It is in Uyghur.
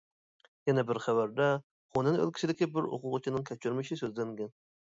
يەنە بىر خەۋەردە، خۇنەن ئۆلكىسىدىكى بىر ئوقۇغۇچىنىڭ كەچۈرمىشى سۆزلەنگەن.